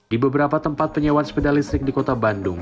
di beberapa tempat penyewaan sepeda listrik di kota bandung